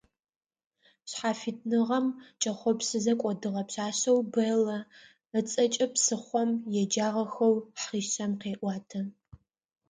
Шъхьафитныгъэм кӏэхъопсызэ кӏодыгъэ пшъашъэу Бэллэ ыцӏэкӏэ псыхъом еджагъэхэу хъишъэм къеӏуатэ.